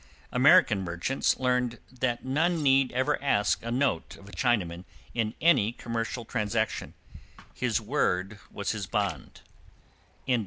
American merchants learned that none need ever ask a note of a Chinaman in any commercial transaction; his word was his bond."